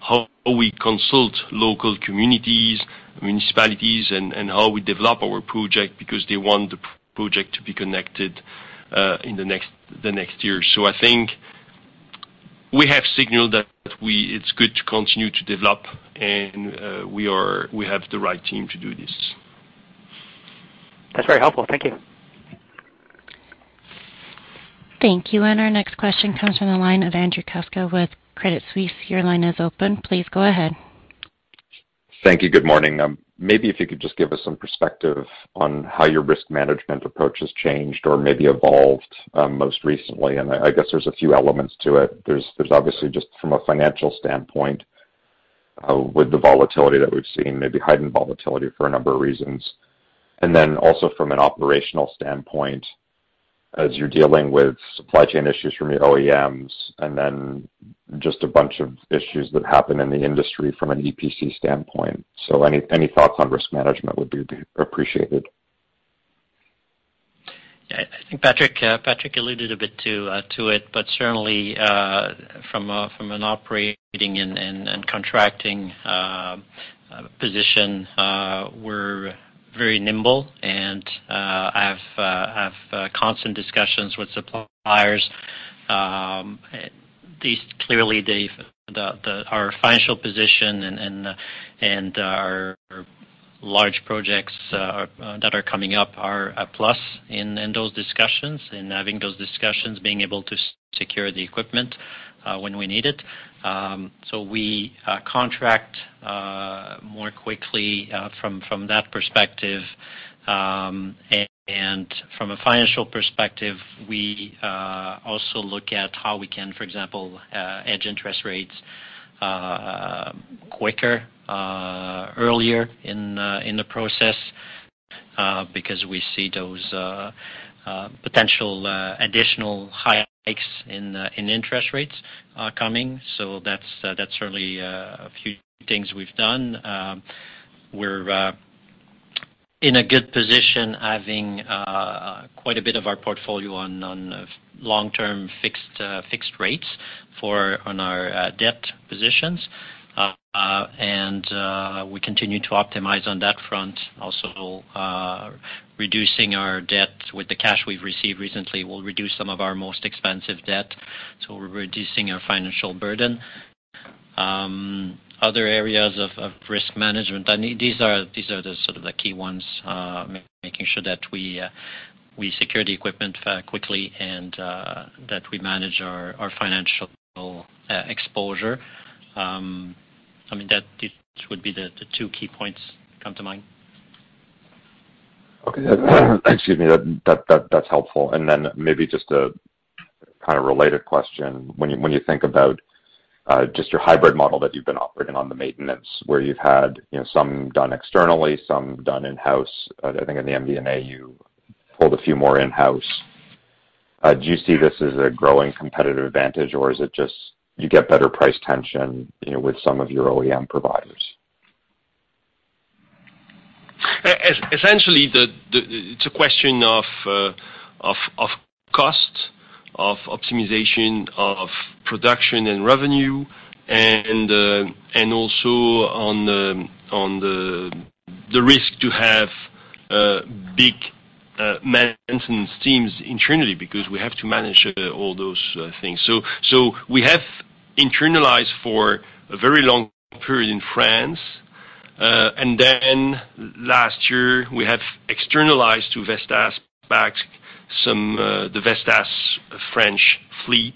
how we consult local communities, municipalities, and how we develop our project because they want the project to be connected in the next year. I think we have signaled that it's good to continue to develop and we have the right team to do this. That's very helpful. Thank you. Thank you. Our next question comes from the line of Andrew Kuske with Credit Suisse. Your line is open. Please go ahead. Thank you. Good morning. Maybe if you could just give us some perspective on how your risk management approach has changed or maybe evolved, most recently. I guess there's a few elements to it. There's obviously just from a financial standpoint, with the volatility that we've seen, maybe heightened volatility for a number of reasons. Then also from an operational standpoint, as you're dealing with supply chain issues from your OEMs, and then just a bunch of issues that happen in the industry from an EPC standpoint. Any thoughts on risk management would be appreciated. Yeah. I think Patrick alluded a bit to it, but certainly from an operating and contracting position, we're very nimble and I have constant discussions with suppliers. Clearly, our financial position and our large projects that are coming up are a plus in those discussions, in having those discussions, being able to secure the equipment when we need it. We contract more quickly from that perspective. From a financial perspective, we also look at how we can, for example, hedge interest rates quicker, earlier in the process, because we see those potential additional hikes in interest rates coming. That's certainly a few things we've done. We're in a good position having quite a bit of our portfolio on long-term fixed rates on our debt positions. We continue to optimize on that front. Also, reducing our debt with the cash we've received recently, we'll reduce some of our most expensive debt, so we're reducing our financial burden. Other areas of risk management, I mean, these are the sort of the key ones, making sure that we secure the equipment quickly and that we manage our financial exposure. I mean, these would be the two key points come to mind. Okay. Excuse me. That's helpful. Maybe just a kind of related question. When you think about just your hybrid model that you've been operating on the maintenance, where you've had, you know, some done externally, some done in-house, I think in the MD&A, you pulled a few more in-house, do you see this as a growing competitive advantage, or is it just you get better price tension, you know, with some of your OEM providers? Essentially, it's a question of cost, of optimization, of production and revenue and also of the risk to have big maintenance teams internally because we have to manage all those things. We have internalized for a very long period in France. Last year, we have externalized back to Vestas some of the Vestas French fleet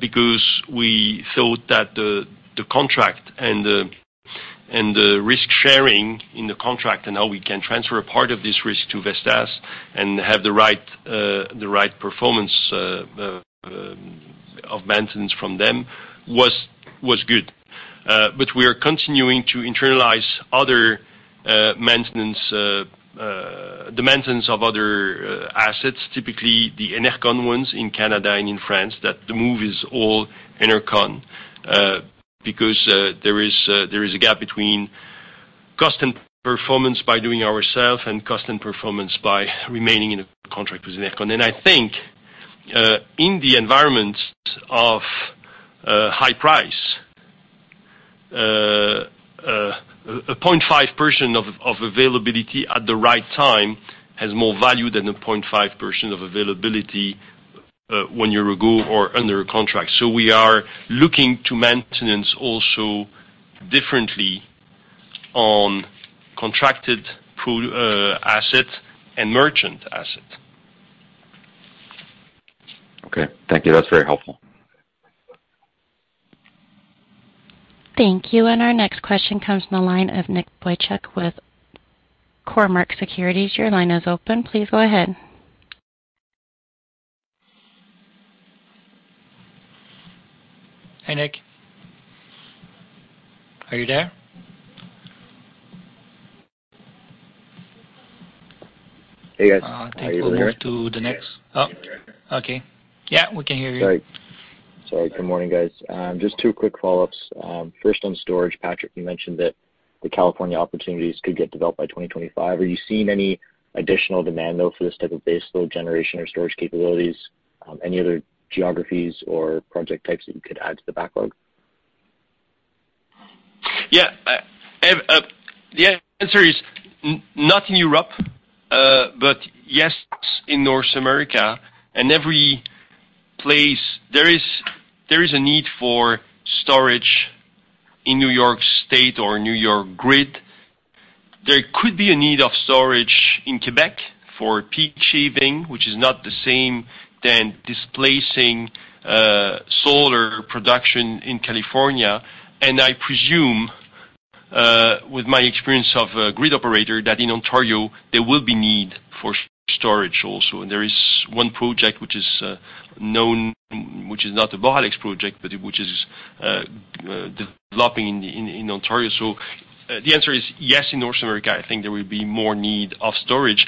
because we thought that the contract and the risk-sharing in the contract and how we can transfer a part of this risk to Vestas and have the right performance of maintenance from them was good. We are continuing to internalize the maintenance of other assets, typically the ENERCON ones in Canada and in France, that the move is all ENERCON, because there is a gap between cost and performance by doing ourselves and cost and performance by remaining in a contract with ENERCON. I think in the environment of high price, 0.5% of availability at the right time has more value than 0.5% of availability one year ago or under a contract. We are looking to maintenance also differently on contracted pool asset and merchant asset. Okay. Thank you. That's very helpful. Thank you. Our next question comes from the line of Nicholas Boychuk with Cormark Securities. Your line is open. Please go ahead. Hi, Nick. Are you there? Hey, guys. Are you there? I think we'll move to the next. Oh, okay. Yeah, we can hear you. Sorry. Good morning, guys. Just two quick follow-ups. First on storage, Patrick, you mentioned that the California opportunities could get developed by 2025. Are you seeing any additional demand, though, for this type of baseload generation or storage capabilities? Any other geographies or project types that you could add to the backlog? Yeah. The answer is not in Europe, but yes, in North America and every place there is a need for storage in New York State or New York grid. There could be a need of storage in Quebec for peak shaving, which is not the same as displacing solar production in California. I presume, with my experience of a grid operator, that in Ontario, there will be need for storage also. There is one project which is known, which is not the Boralex project, but which is developing in Ontario. The answer is yes, in North America, I think there will be more need of storage,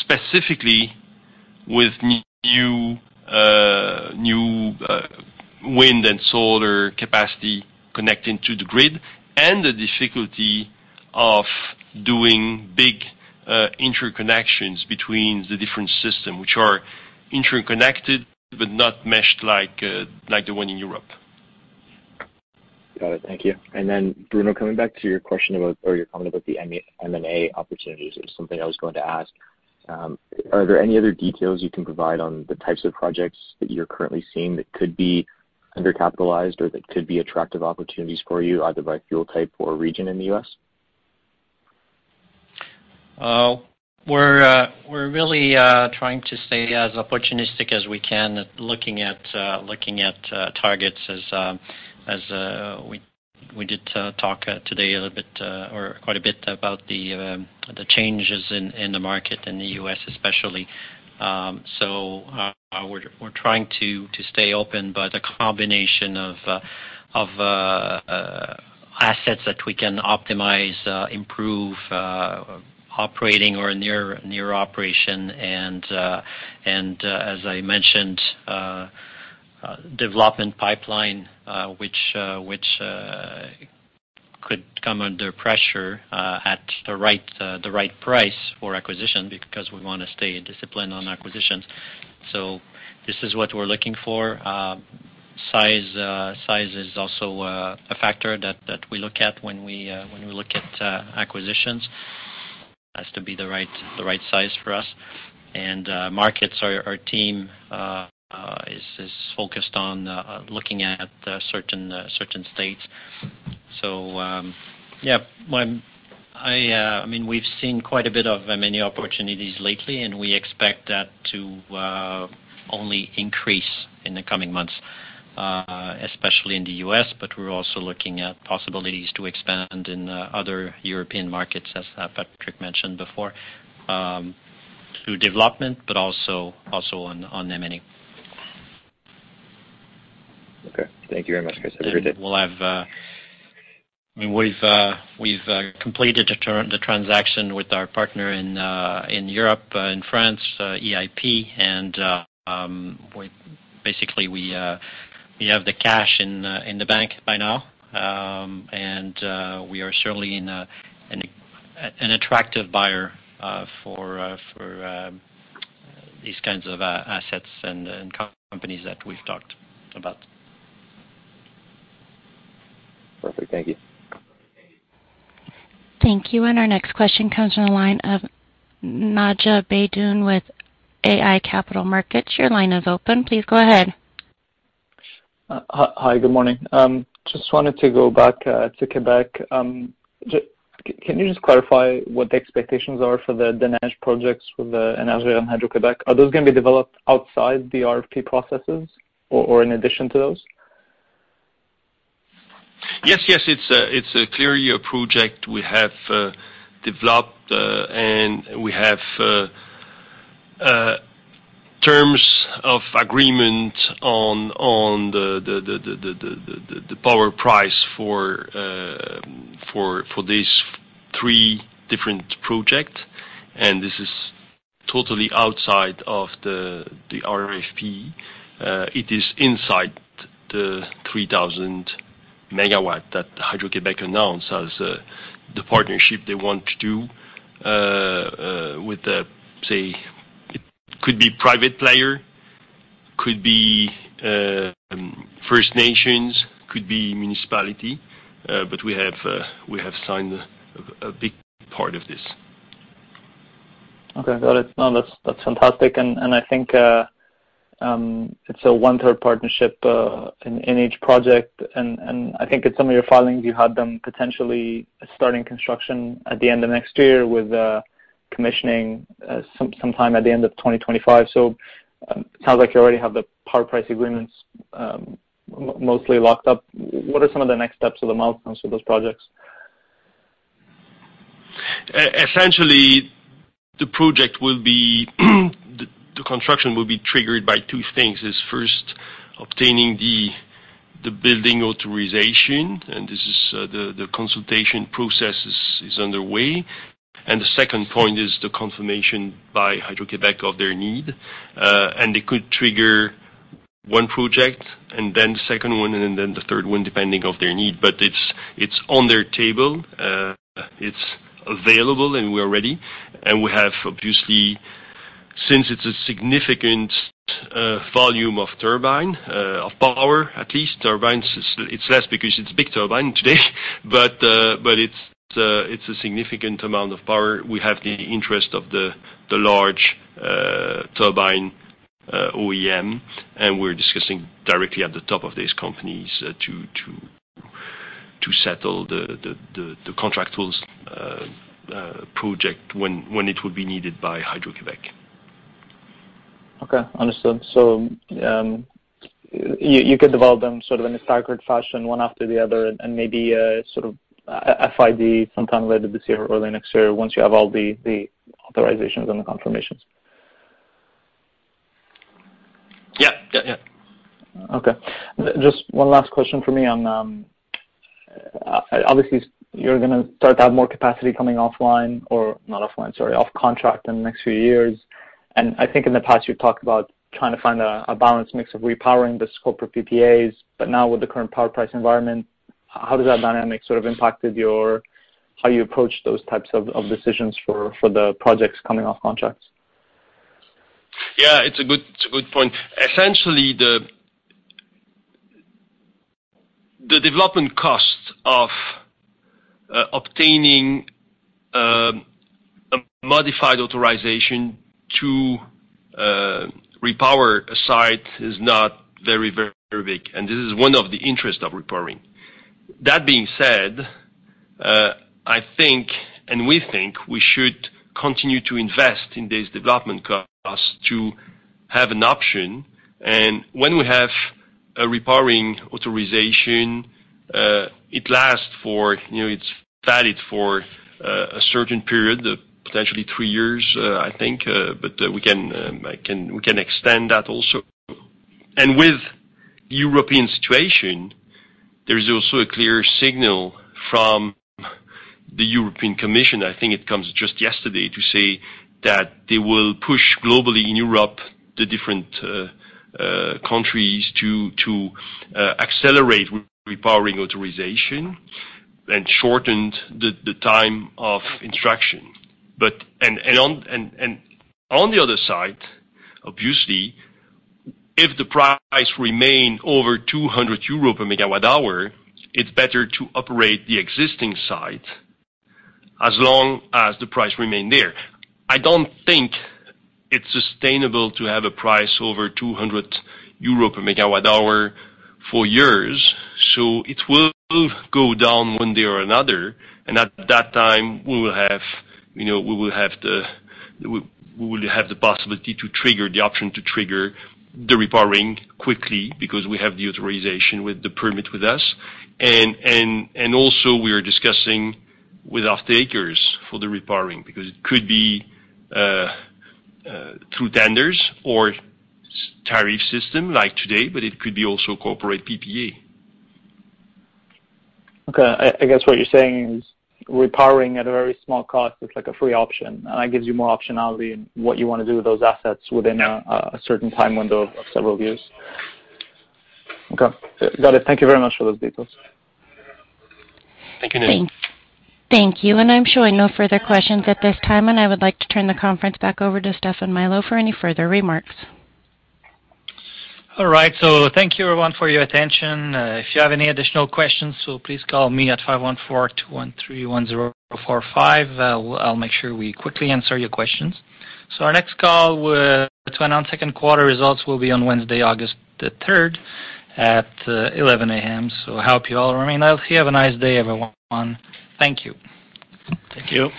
specifically with new wind and solar capacity connecting to the grid and the difficulty of doing big interconnections between the different system, which are interconnected but not meshed like the one in Europe. Got it. Thank you. Bruno, coming back to your question about or your comment about the M&A opportunities, it was something I was going to ask. Are there any other details you can provide on the types of projects that you're currently seeing that could be undercapitalized or that could be attractive opportunities for you, either by fuel type or region in the US? We're really trying to stay as opportunistic as we can at looking at targets as we did talk today a little bit or quite a bit about the changes in the market, in the US especially. We're trying to stay open, but a combination of assets that we can optimize, improve, operating or near operation. As I mentioned, development pipeline, which could come under pressure at the right price for acquisition because we want to stay disciplined on acquisitions. This is what we're looking for. Size is also a factor that we look at when we look at acquisitions. Has to be the right size for us. In markets, our team is focused on looking at certain states. I mean, we've seen quite a bit of M&A opportunities lately, and we expect that to only increase in the coming months, especially in the U.S. We're also looking at possibilities to expand in other European markets, as Patrick mentioned before, through development, but also on M&A. Okay. Thank you very much, guys. Appreciate it. I mean, we've completed the transaction with our partner in Europe, in France, EIP. Basically, we have the cash in the bank by now. We are certainly an attractive buyer for these kinds of assets and companies that we've talked about. Perfect. Thank you. Thank you. Our next question comes from the line of Naji Baydoun with iA Capital Markets. Your line is open. Please go ahead. Hi. Good morning. Just wanted to go back to Quebec. Can you just clarify what the expectations are for the Des Neiges projects with the Énergir and Hydro-Québec? Are those gonna be developed outside the RFP processes or in addition to those? Yes. Yes. It's clearly a project we have developed, and we have terms of agreement on the power price for these three different projects. This is totally outside of the RFP. It is inside the 3,000 megawatts that Hydro-Québec announced as the partnership they want to do with, say, it could be private player, could be First Nations, could be municipality. But we have signed a big part of this. Okay. Got it. No, that's fantastic. I think it's a one-third partnership in each project, and I think in some of your filings, you had them potentially starting construction at the end of next year with commissioning sometime at the end of 2025. Sounds like you already have the power purchase agreements mostly locked up. What are some of the next steps or the milestones for those projects? Essentially, the construction will be triggered by two things, first obtaining the building authorization, and the consultation process is underway. The second point is the confirmation by Hydro-Québec of their need. They could trigger one project and then the second one and then the third one, depending on their need. It's on their table, it's available, and we are ready, and we have obviously. Since it's a significant volume of turbine of power, at least, turbines, it's less because it's big turbine today. It's a significant amount of power. We have the interest of the large turbine OEM, and we're discussing directly at the top of these companies to settle the contract for the project when it will be needed by Hydro-Québec. Okay. Understood. You could develop them sort of in a staggered fashion, one after the other, and maybe sort of FID sometime later this year or early next year once you have all the authorizations and the confirmations. Yeah. Yeah, yeah. Okay. Just one last question from me on obviously, you're gonna start to have more capacity coming offline or not offline, sorry, off contract in the next few years. I think in the past, you talked about trying to find a balanced mix of repowering the scope of PPAs. Now with the current power price environment, how does that dynamic sort of impacted how you approach those types of decisions for the projects coming off contracts? Yeah, it's a good point. Essentially, the development costs of obtaining a modified authorization to repower a site is not very big, and this is one of the interest of repowering. That being said, I think, and we think, we should continue to invest in this development costs to have an option. When we have a repowering authorization, it lasts for, you know, it's valid for a certain period, potentially three years, I think, but we can we can extend that also. With European situation, there is also a clear signal from the European Commission, I think it comes just yesterday, to say that they will push globally in Europe the different countries to accelerate repowering authorization and shortened the time of instruction. But On the other side, obviously, if the price remain over 200 euros per megawatt hour, it's better to operate the existing site as long as the price remain there. I don't think it's sustainable to have a price over 200 euro per megawatt hour for years, so it will go down one day or another, and at that time, we will have the possibility, the option to trigger the repowering quickly because we have the authorization with the permit with us. Also we are discussing with off-takers for the repowering, because it could be through tenders or S-tariff system like today, but it could be also corporate PPA. Okay. I guess what you're saying is repowering at a very small cost is like a free option, and that gives you more optionality in what you wanna do with those assets within a certain time window of several years. Okay. Got it. Thank you very much for those details. Thank you, Nick. Thanks. Thank you. I'm showing no further questions at this time, and I would like to turn the conference back over to Stéphane Milot for any further remarks. All right. Thank you, everyone, for your attention. If you have any additional questions, please call me at 514-213-1045. I'll make sure we quickly answer your questions. Our next call to announce second quarter results will be on Wednesday, August 3 at 11:00 A.M. I hope you all remain healthy. Have a nice day, everyone. Thank you. Thank you.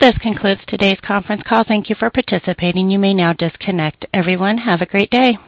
This concludes today's conference call. Thank you for participating. You may now disconnect. Everyone, have a great day.